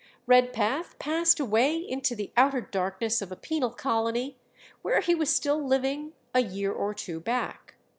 Redpath passed away into the outer darkness of a penal colony, where he was still living a year or two back.